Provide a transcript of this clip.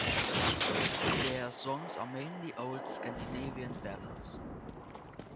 Their songs are mainly old Scandinavian ballads.